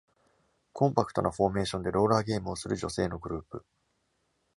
コンパクトなフォーメーションでローラーゲームをする女性のグループ